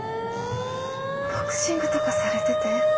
ボクシングとかされてて」。